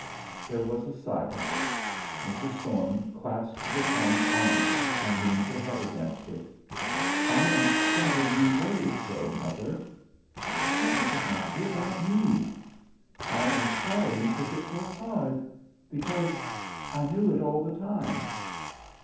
There was a silence. Mrs. Thorne clasped her son's arm and leaned her head against it. "I am sorry you worried so, mother." "What does it matter about me?" "I am sorry you took it so hard because I knew it all the time."